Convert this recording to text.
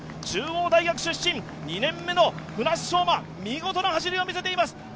中央大学出身、２年目の舟津彰馬、見事な走りを見せています。